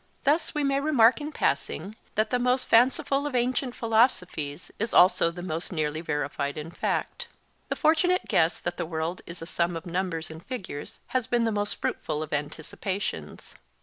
Thus we may remark in passing that the most fanciful of ancient philosophies is also the most nearly verified in fact. The fortunate guess that the world is a sum of numbers and figures has been the most fruitful of anticipations.